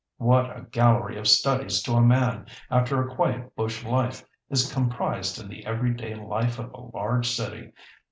What a gallery of studies to a man, after a quiet bush life, is comprised in the everyday life of a large city!